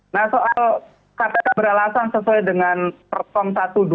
nah soal kata beralasan sesuai dengan perkom satu dua ribu dua puluh dua